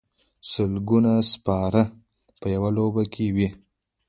سلګونه سپاره په یوه لوبه کې وي.